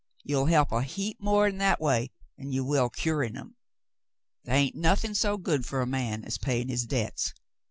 Ye'll help 'em a heap more that a way 'n ye will curin' 'em. The' hain't nothin' so good fer a man as payin' his debts.